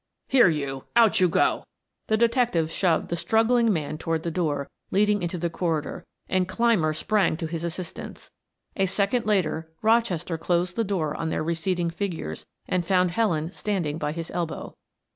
"Here you, out you go." The detective shoved the struggling man toward the door leading into the corridor and Clymer sprang to his assistance; a second later Rochester closed the door on their receding figures and found Helen standing by his elbow.